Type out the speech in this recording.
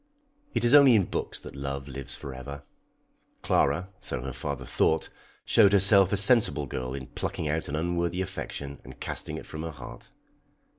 "] It is only in books that love lives for ever. Clara, so her father thought, showed herself a sensible girl in plucking out an unworthy affection and casting it from her heart.